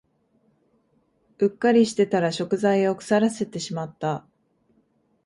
うっかりしてたら食材を腐らせてしまった